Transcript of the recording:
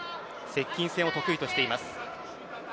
接近戦を得意としています。